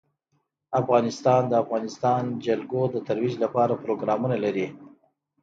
افغانستان د د افغانستان جلکو د ترویج لپاره پروګرامونه لري.